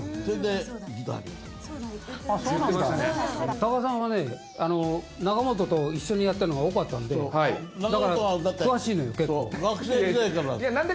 高木さんはね仲本と一緒にやったのが多かったんでだから詳しいのよ結構。